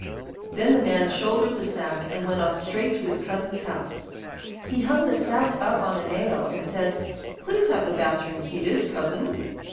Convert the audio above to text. Then the man shouldered the sack, and went off straight to his cousin's house. He hung the sack up on a nail, and said: 'Please have the bathroom heated, cousin.